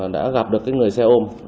đã gặp được cái người xe ôm